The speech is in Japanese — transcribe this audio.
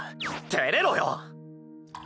てれろよ！